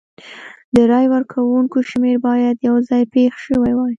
د رای ورکوونکو شمېر باید یو ځای پېښ شوي وای.